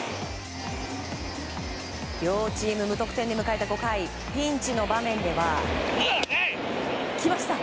両チーム無得点で迎えた５回ピンチの場面ではきました。